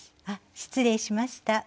あっ失礼しました。